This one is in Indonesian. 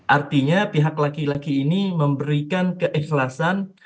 artinya pihak laki laki ini memberikan keikhlasan